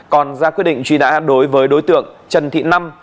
còn ra quyết định truy nã đối với đối tượng trần thị năm